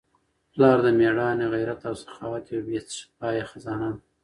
پلار د مېړانې، غیرت او سخاوت یوه بې پایه خزانه ده.